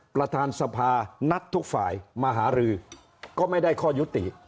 ประธานสภานัดทุกฝ่ายมาหารือก็ไม่ได้ข้อยุติ